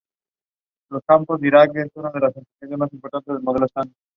Stanley established a trading post some time later near what would eventually become Sumner.